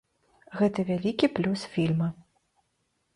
Гэта вялікі плюс фільма.